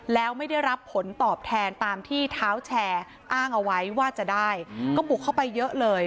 แล้วไม่ได้รับผลตอบแทนตามที่เท้าแชร์อ้างเอาไว้ว่าจะได้ก็บุกเข้าไปเยอะเลย